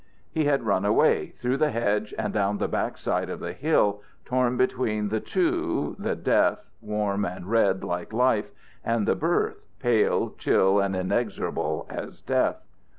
He had run away, through the hedge and down the back side of the hill, torn between the two, the death, warm and red like life, and the birth, pale, chill, and inexorable as death.